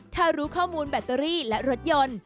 ถ้ารู้ข้อมูลแบตเตอรี่และรถยนต์